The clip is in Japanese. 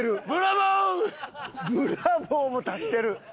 ブラボーも足してる。